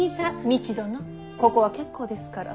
道殿ここは結構ですから。